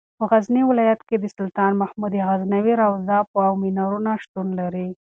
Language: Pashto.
په غزني ولایت کې د سلطان محمود غزنوي روضه او منارونه شتون لري.